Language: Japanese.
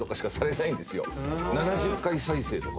７０回再生とか。